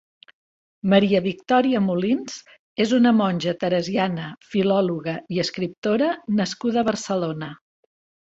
Maria Victòria Molins és una monja teresiana filòloga i escriptora nascuda a Barcelona.